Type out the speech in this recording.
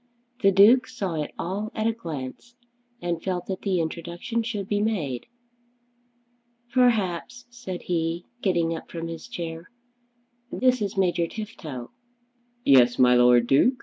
The Duke saw it all at a glance, and felt that the introduction should be made. "Perhaps," said he, getting up from his chair, "this is Major Tifto." "Yes; my Lord Duke.